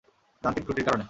যান্ত্রিক ত্রুটির কারণে।